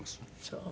そう。